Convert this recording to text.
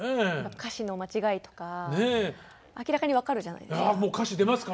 歌詞の間違いとか明らかに分かるじゃないですか。